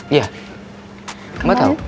iya mbak tau